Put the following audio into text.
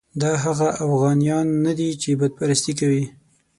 دا هغه اوغانیان نه دي چې بت پرستي کوي.